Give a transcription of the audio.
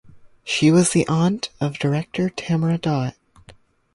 She was the aunt of director Tamara Dawit.